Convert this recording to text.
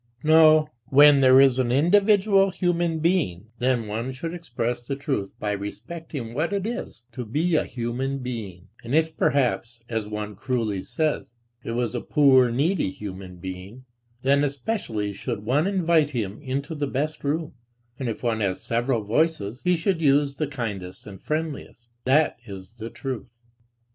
No, when there is an individual human being, then one should express the truth by respecting what it is to be a human being; and if perhaps, as one cruelly says, it was a poor, needy human being, then especially should one invite him into the best room, and if one has several voices, he should use the kindest and friendliest; that is the truth.